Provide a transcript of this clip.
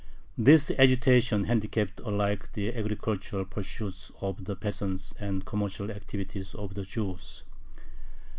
This agitation handicapped alike the agricultural pursuits of the peasants and the commercial activities of the Jews.